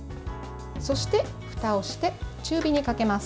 そして、ふたをして中火にかけます。